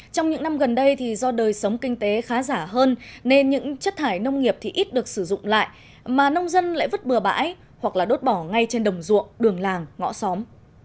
trong những năm gần đây thì do đời sống kinh tế khá giả hơn nên những chất thải nông nghiệp thì ít được sử dụng lại mà nông dân lại vứt bừa bãi hoặc là đốt bỏ ngay trên đồng ruộng đường làng ngõ xóm